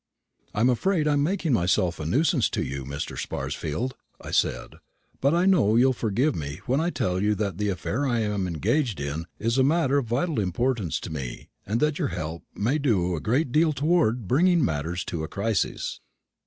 "I am afraid I am making myself a nuisance to you, Mr. Sparsfield," I said; "but I know you'll forgive me when I tell you that the affair I'm engaged in is a matter of vital importance to me, and that your help may do a great deal towards bringing matters to a crisis."